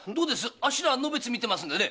あっしらのべつ見てますんでね。